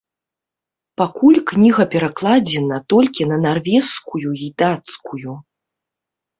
Пакуль кніга перакладзена толькі на нарвежскую і дацкую.